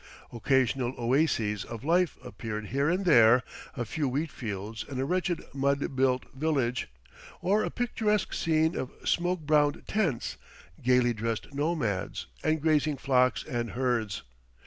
Occasional oases of life appeared here and there, a few wheat fields and a wretched mud built village, or a picturesque scene of smoke browned tents, gayly dressed nomads, and grazing flocks and herds.